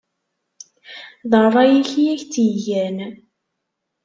D ṛṛay-ik i ak-tt-igan.